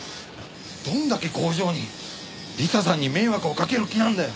どんだけ工場に理彩さんに迷惑をかける気なんだよ。